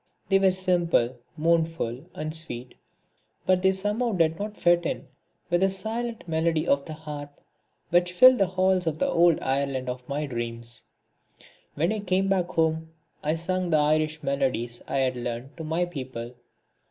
They were simple, mournful and sweet, but they somehow did not fit in with the silent melody of the harp which filled the halls of the Old Ireland of my dreams. When I came back home I sung the Irish melodies I had learnt to my people.